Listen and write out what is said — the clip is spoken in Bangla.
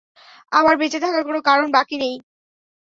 আমার বেঁচে থাকার কোন কারণ বাকী নেই।